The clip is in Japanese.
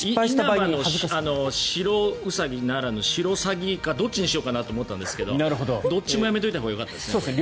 因幡の白兎ならぬシロサギかどっちにしようかと考えたんですがどっちもやめておいたほうがよかったですね。